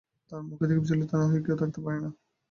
তাঁর মুখ দেখে বিচলিত না হয়ে কেউ থাকতে পারত না।